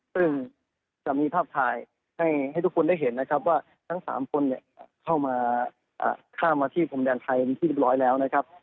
ซึ่งจะมีภาพถ่ายให้ทุกคนได้เห็นนะครับว่าทั้ง๓คนเข้ามาข้ามมาที่พรมแดนไทยเป็นที่เรียบร้อยแล้วนะครับ